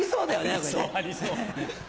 ありそうありそう。